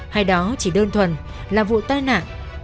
hay đó chỉ đơn thuần là vụ tai nạn